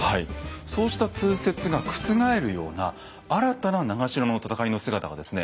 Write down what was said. そうした通説が覆るような新たな長篠の戦いの姿がですね